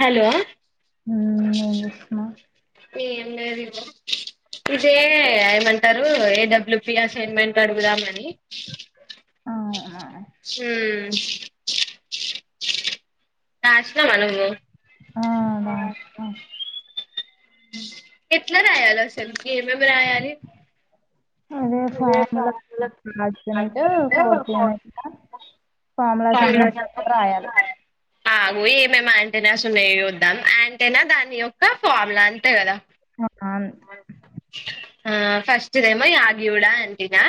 Hello నవిస్మా ఇదే ఏమంటారు ఏడబ్ల్యూపి అసైన్మెంట్ అడుగుదామని ఆ మ్మ్ కాసినవా నువ్వు ఆ అదా ఇస్తా ఎట్లా రాయాల అసలు ఏమేం రాయాలి అదే ఫోమ్ లా ఫోర్త్ ఇయర్ రామలాస్ అన్న రాయాలి. ఏమేమో అంటేనే అసలు చూద్దాం అంటేనా దాని యొక్క ఫామ్లా అంతే కదా. ఆ ఆ ఫస్ట్ దేమో ఆగిూడా అంటినా.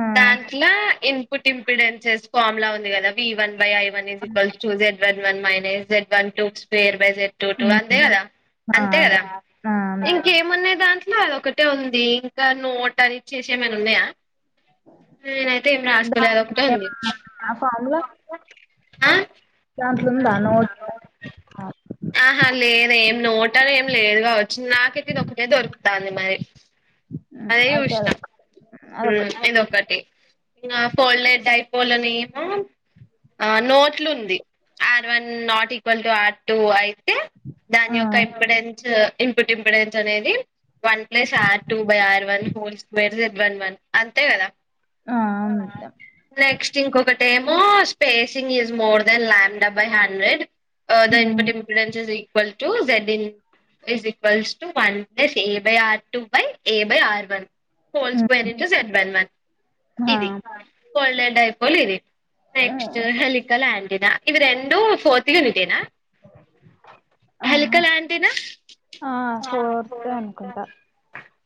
ఆ దాంట్లో ఇ పూట్ ఇంపిడిన్స్ ఫామ్ల ఉంది. కద V one V one is equal to Z one one minus Z one two తేరు టూ ఫివేజర్ టుటూ అంతే హ్మ్ కదా ఆ అంతే అదే కదా ఆ అంతే ఇంకేమున్నాయి దాంట్లో అదొకటే ఉంది ఇంకా నోట్ అది ఇచ్చేసే ఏమైనా ఉన్నాయా. నేనైతే ఏమి రాసుకోలే అదొకటే ఉంది. అన్న ఆ దాంట్లో ఉందా నోట్ ఆ లేదే ఏం నోటలో ఏమి లేదు గా వచ్చి నాకైతే ఇది ఒకటే దొరుకుతాంది మరి హ్మ్ అదే అయితే చూసినా అదొక మ్మ్ అదొకటి ఇదొక్కటి పోలే డయపోల అని ఆ నోట్లుంది R one not equal to R two ఐ తే దాని ఆ యొక్క ఇప్పుడెన్స్ ఇంపుట్ ఇంపుటెన్స్ అనేది one plus R two by R one whole square Z one one అంతే కదా ఆ నెక్స్ట్ ఇంకొకటేమో మో spacing is more than lambda by hundred హ్మ్ దైనిపతి impedance is equal to Z E is equals one plus A by R two by A by R one whole square హ్మ్ into Z one one ఆ ఇది కొల్డ్యిపోలే ఇది next హలి కల్ ఏంటినా ఇవి రెండు ఫోర్త్ లో పెట్టిన [unintelligible] ఆ హల్కల్ ఏంటీనా ఆ ఫోర్త్ అనుకుంటా [unintelligible]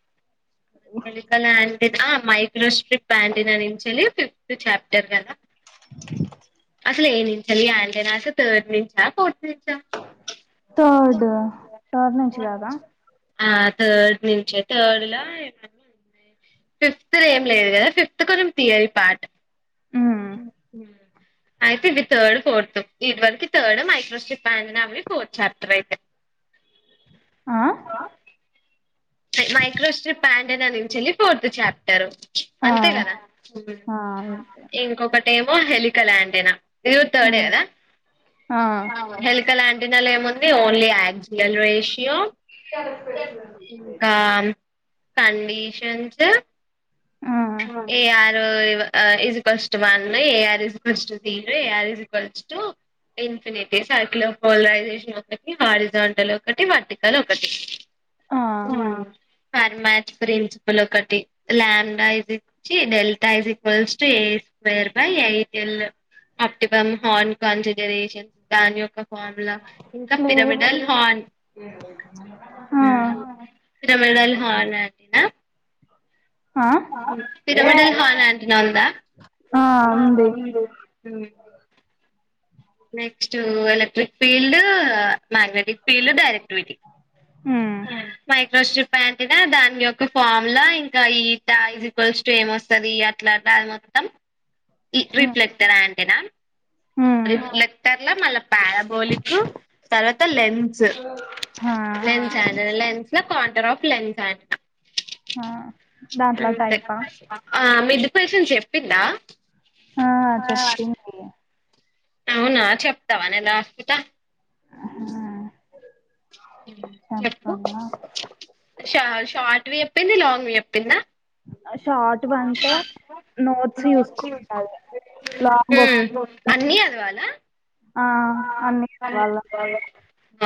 మెలికల ఇ [unintelligible] ఆ మైక్రోస్ట్రిప్ పంటినచలి ఫిఫ్త్ చాప్టర్ కదా. [unintelligible] [unintelligible] అసలు ఏంటి ఏంటినలాస్ థర్డ్ నుంచ ఫోర్ [unintelligible] థర్డ్ థర్డ్ నుంచి కదా ఆ థర్డ్ నుంచే థర్డ్ లో ఏం వన్ ఏ [unintelligible] ఫిఫ్త్ లో ఏం లేదు కదా ఫిఫ్త్ కొంచెం థియరీ పార్ట్ హ్మ్ అయితే ఇవి థర్డ్ ఫోర్త్ ఇది వరకు థర్డ్ మైక్రోస్ట్రిప్ అంటెన్న వి ఫోర్ చాప్టర్ అయిపొ అ మైక్రోస్ట్రిప్ ప్యాంటినా నుంచెల్లి ఫోర్త్ చాప్టర్ ఆ అంతే కదా ఉమ్ ఆ ఇంకొకటి ఏం ఓ హెలికల్యాంటినా [unintelligible] ఇది కూడా థర్డే ఉమ్, ఏ కదా ఆ హెల్క లాంటినాలో ఏముంది ఓన్లీ యాక్జియల్ రేషియో ఇంకా కండీషన్స్ ఆ AR is equals to one AR is equals to త్రీలో AR is equals to infinity సర్కిలో polarisation ఒకటి హరిజాంటల్ ఒకటి వర్టికల్ ఒకటి ఆ ఫర్మాస్ ప్రిన్సిపుల్ ఒకటి ల్యాం delta is equals to A square by ITL optimum horn consideration దాని యొక్క ఫార్ములా ఇంకా లేదు పిరమిడల్ హాల్ ఆ పిరమిడల్ హాల్ అం నా ఆ పిరమిడల్ హల్ అంటెనా ఉందా. ఆ ఉంది అ next electric field magnetic field directivity ఉమ్ మైక్రోస్ట్రిప్ అంటెన్న దాని యొ ఫామ్ లో ఇంకా ఈ టజక్వల్స్ టు ఏమొస్తుది అట్లా అది మొత్తం ఉమ్ రిఫ్లెక్టర్ అండ్ తేనా ఉమ్, రిఫ్లేెక్టర్ లొ మళ్ళా పారబోలిక్ తర్వాత లెన్స్ ఆ లెన్స్ అ లెన్స్ లో కాంటర్ ఆఫ్ లెన్స్ స ఆ దాంట్లో [unintelligible] అే టైపా ఆ మీది [unintelligible] సం చెప్పిందా [unintelligible] ఆ చెప్పింది అవునా చెప్తవా నేన్ రాస్కుంట హ్ మ్ చెప్పు షార్ట్వి చెప్పింది లాంగ్వి చెప్పిందా షార్ట్ వంటే నోట్స్ చూసుకుండాలి లాంగ్ అన్ని చదవాలా ఆ అన్నీ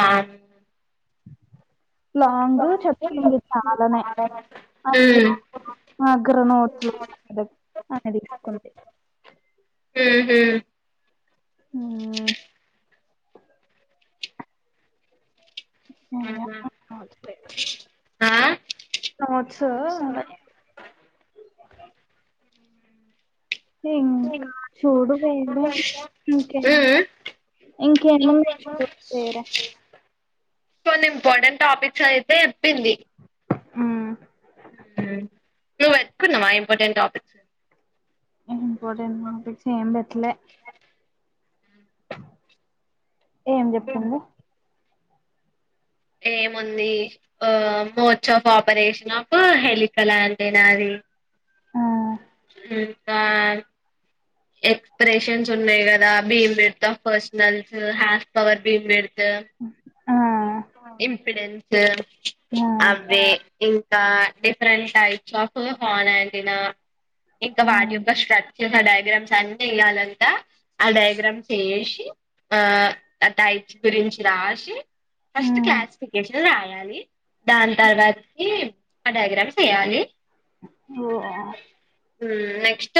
ఆ లాంగ్ చెప్పింది చాలానే అయ్యో నా దగ్గర నోట్స్ లేదు అని తీసుకుంది మ్ అయ్యా నోట్స్ అలాయితే ఆ ఇంకా చూడు హ్మ్. ఇంకెమో వైషూ కొన్ని ఇంపార్టెంట్ టాపిక్స్ అయితే చెప్పింది. మ్ నువ్వు వెతుక్కున్నవా ఇంపార్టెంట్ టాపిక్స్ [inaudible] ఇంపార్టెంట్ టాపిక్స్ ఏం పెట్టలే ఏం చెప్పింది. ఏముంది ఆ మోర్చ్ ఆఫ్ ఆపరేషన్ ఆఫ్ హెలికలా అంటే నాది. ఆ ఎక్స్ప్రెషన్స్ ఉన్నాయి కదా beamwidth of first nulls half power beamwidth ఆ ఇంఫిడెన్స్ ఆ అవే ఇ డిఫరెంట్ టైప్స్ ఆఫ్ హాన్డినా ఇంకా ఆ వాటి యొక్క స్ట్రక్చర్, డయాగ్రామ్స్ ఇదంతా ఎయ్యాలంట ఆ డయాగ్రామ్స్ ఏసి ఆ ఆ టైట్ గురించి రాసి ఆ ఫస్ట్ క్లాసిఫికేషన్ రాయాలి. దాని తర్వాతకి ఆ డయాగ్రామ్స్ ఏయాలి ఓ నెక్స్ట్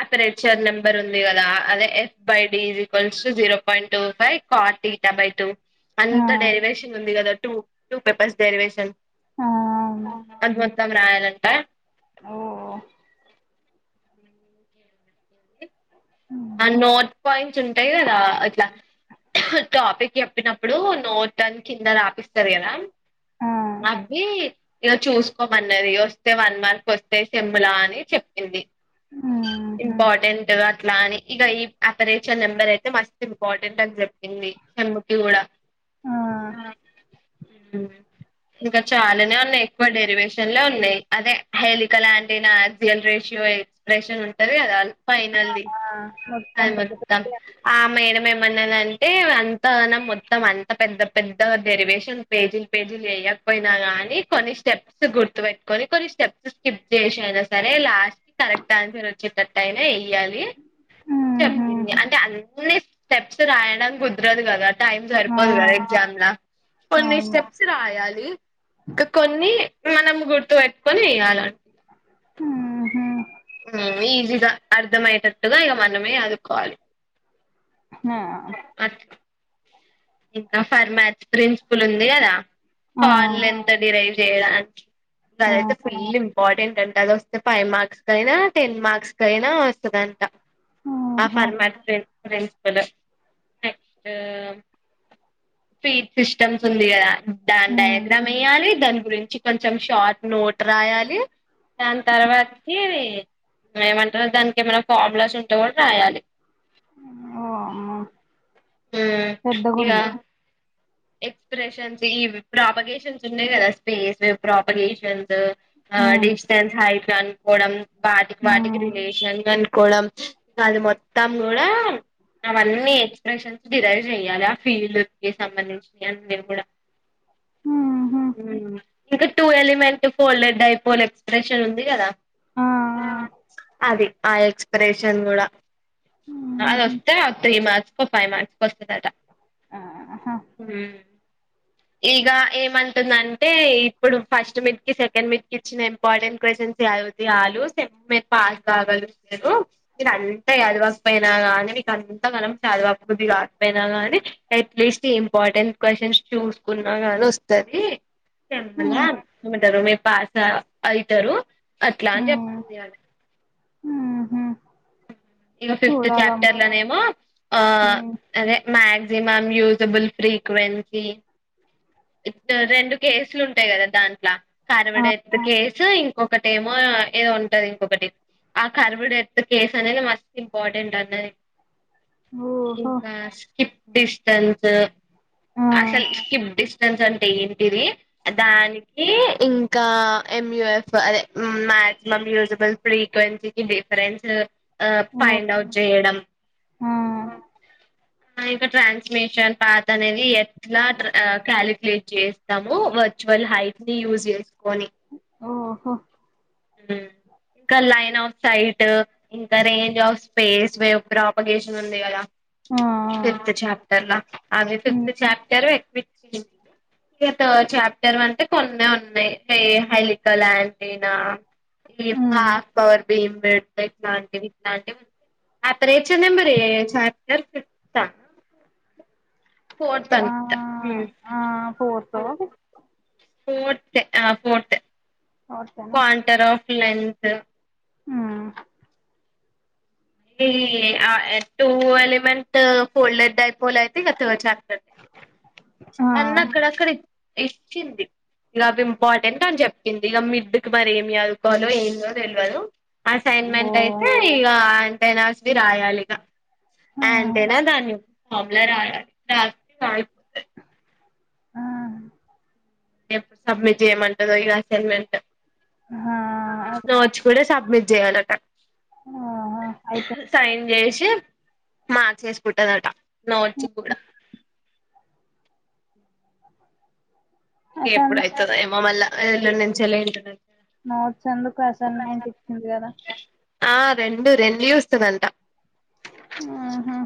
అప్రేచర్ నెంబర్ ఉంది కదా అదే F by D is equal to zero point two five కార్టీటబై టూ అంత డెరివేషన్ ఉంది కద టూ టూ పేపర్స్ డెర్వేషన్ ఆ అవును అది మొత్తం రాయాలంట ఓ ఆ నోట్ పాయింట్స్ ఉంటయి కదా అట్ల టాపిక్ చెప్పినప్పుడు నోట్ అని కింద రాపిస్తరు కదా ఆ అవి ఇగ చూసుకోమన్నది వస్తే వన్ మార్క్ వస్తే సెమ్లా అని చెప్పింది. ఊహు ఇంపార్టెంట్ అట్లా అని ఇగ ఈ అపరేచర్ నెంబర్ అయితే మస్త్ ఇంపార్టెంట్ అని చెప్పింది సెమ్ముకి గూడా ఆ ఇంకా చాలానే ఉన్నాయి ఎక్కువ డెరివేషన్లే ఉన్నయి. అదే హేలికలాయల్ రేషయో ఎక్స్ప్రెషన్ ఉంటంది ఫైన అది ఆ పెద్ద మొత్తం పెద్ద ఆ అమ్మె ఎమనదంటే అే అంతగాన మొత్తం అంత పెద్ద పెద్ద డెరివేషన్ పేజీలు పేజీలు వేయకపోయినా గానీ కొన్ని స్టెప్స్ గుర్తుపెట్టుకొని కొన్ని స్టెప్స్ స్కిప్ చేసనా సరే లాస్ట్ క కరెక్ట్ ఆన్సర్ వచ్చేటట్టు అయినా వెయ్యాలి ఊహు చెప్పింది అంటే అన్ని స్టెప్స్ రాయడం కుదరదు కదా టైం ఆ సరిపోదు కదా ఎగ్జామ్లా కొన్ని అవును స్టెప్స్ రాయాలి ఇంకా కొన్ని మనం గుర్తు పెట్టుకొని వేయాలంటే హహుమ్ ఈజీగా అర్ధమయేటట్టుగ ఇక మనమే ఆదుకోవాలి హా ఇంక ఫర్మాచ్ ప్రిన్సిపుల్ ఉంది కదా ఆ ఫాల్ ఎంతడి రై తేడాన్ ఆ గదయితె ఫుల్ ఇంపార్టెంట్ అం గదోస్తే ఫైవ్ మార్క్స్ కయినా టెన్ మార్క్స్ కయినా వస్తుందంట ఆ ఓహో ఫర్మాట్ ఫ ప్రిన్సిపుల్ నెక్స్ట్ ఫీట్ సిస్టమ్స్ ఉందిగద దాన్ హ్మ్ డయాగ్రమ్ వెయ్యాలి దానీ గురించి కొంచెం షార్ట్ నోట్ రాయాలి దాని తర్వాతికి ఏమంటరు దానికి ఏమైనా ఫార్ములాస్ ఉంటే కూడా రాయాలి ఉమ్ పెద్దగ ఉందా ఇక ఎక్స్ప్రెషన్స్ ఈ ప్రాపగేషన్స్ ఉన్నాయి కద స్పేస్ ప్రాపగేషన్స్ అ హ్మ్ డిస్టెన్స్ హైట్ చన్కొడం వాటికి హ్మ్ వాటికి రిలేషన్ గని కోడం అది మొత్తం కూడా అవన్నీ ఎక్స్ప్రెషన్స్ డిరైవ్ చెయాల ఆ ఫీల్డ్ కి సంబంధించి మేము కూడా ఊహు హుమ్ ఇంకా two element folded dipole expression ఉంది కదా ఆ అది ఆ ఎక్స్ప్రెషన్ కూడా అది ఊహు వస్తే త్రీ మార్క్స్ కో ఫైవ్ మార్క్స్ కో వస్తదట ఆహ ఇక ఏమంటుందంటే ఇప్పుడు ఫస్ట్ మిడ్ కి సెకండ్ మిడ్ కి ఇచ్చిన ఇంపార్టెంట్ క్వేషన్స్ చదివితే చాలు సెంమ్ మీరు పాస్ కాగలరు మీరు అంతా చదవకపోయినా గానీ మీక అంత కనం చదవకబుద్ధి కాకపోయినా గానీ ఎట్లీస్ట్ ఏం ఇంపార్టెంట్ క్వేషెన్స్ చుస్ ఉన్నా గానీ వస్తది మల్ల హ్మ్ ఏమంటారు మేం పాస్ అయితరు అట్లా అని చెప్తుంది వాళ హ్మ్మ్ హు ఇంక ఫిఫ్త్ చాప్టర్ లోనేమో ఆ హ్మ్ అదే మ్యాగ్ మ్యామ్ యూజబుల్ ఫ్రీక్వెన్సీ ఇప్టూ రెండు కేసులు ఉంటాయి కదా. దాంట్ల ఆ కరువుడెత్ కేసు ఇంక్ ఒకటేమో ఏదో ఉంటది. ఇంకొకటి ఆ కరుబుడెత్ కేసు అనేది మస్ట్ ఇంపార్టెంట్ అన్నది. ఓహో ఇంక స్కిప్ డిస్టెన్స్ ఆ అసలు స్కిప్ డిస్ సంస్స్ అంటే ఏంటి ఇది దానికి ఇంక్ కా ఎం. యు. ఎఫ్ అదే మాక్సిమం, యూజిబుల్, ఫ్రీక్వెన్సీకి, డిఫరెన్స్ ఓ ఫైండ్ అవుట్ చేయడం. ఆ ఇంకా ట్రాన్స్మిషన్ పాత అనేది ఎత్ ఎట్లార్ కాలిక్యులేట్ చేస్ తాము వర్చువల్ హైట్ ని యూస్ చేసి ఓహో ఉహ్ ఇంకా లైన్ ఆఫ్ సైట్ ఇంకా range of space wave propagation. అది ఉంది కదా ఆ ఆ! ఫిఫ్త్ చాప్టర్ల అది హ్మ్ ఫిఫ్త్ చాప్టరే ఇగ థర్డ్ చాప్టర్ అంటే కొన్నే ఉన్నాయి. హే హైలిక లాంటినా ఈస్ హ్మ్ పాస్వర్డ్ భీ బెడ్ ఇట్లాంటివి యండ్ ఆఫ్టర్ ఎక్సైస్ నెంబర్ పె చాప్టర్ క్రీప్త ఆ ఫోర్తన్త్ ఉహ్ ఆ ఫోర్తో ఫోర్త్ యే ఆహ్ ఫోర్తే ఫోర్తేనా క్వాంటరా ఆఫ్ లెన్త్ ఉమ్మ్ ఈ టూ ఎలిమెంట్ ఫోల్డర్ డైపోల అయితే ఇగ థర్డ్ చాప్టర్ అన్నీ అక్కడక్కడి ఇచ్చింది. ఇగా అవి ఇంపార్టెంట్ అని చెప్పింది. ఇగా మిడ్కీ మరి ఏమి చదుకోవాలో ఏందో తేల్వదు ఓ అసైన్మెంట్ అయితే ఇగా పేనాస్విర్ రాయలిగా ఆహా అంటేనా దాన్వి హోమ్ లో రాయాలి. రాస్తే రాయు ఆహ్ ఎప్పుడు సబ్మిట్ చేయమంటదో ఇగ అసైన్మెంట్. ఆహా అది నోట్స్ కూడా సాబ్మెట్ జేయాలట. ఆహా అయిపోయింది సైన్ జేసి. మ చేసుకుంటదట. నోట్చి కూడా. ఇ అసైన్మెంట్ ఎప్పుడయితదో ఏమో మళ్ళ ఎల్లుండ్ నుంచి లేట్ ఉన్నది నోట్స్ ఎందుకు గదా అసైన్మెంట్ ఇచ్చింది కదా ఆ రెండు రెండ్లీ స్తదంట. ఆహ